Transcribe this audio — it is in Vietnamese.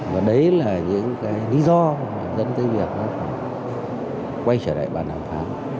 và đấy là những lý do dẫn tới việc quay trở lại bàn đảo tháng